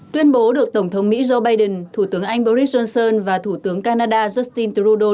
tuyên bố được tổng thống mỹ joe biden thủ tướng anh boris johnson và thủ tướng canada justin trudeau